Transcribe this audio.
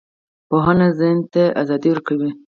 پوهه ذهن ته ازادي ورکوي